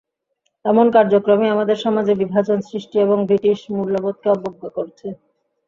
এমন কার্যক্রমই আমাদের সমাজে বিভাজন সৃষ্টি এবং ব্রিটিশ মূল্যবোধকে অবজ্ঞা করছে।